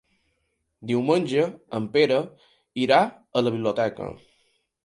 Diumenge en Pere irà a la biblioteca.